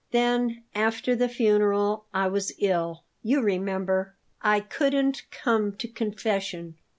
Then, after the funeral, I was ill; you remember, I couldn't come to confession."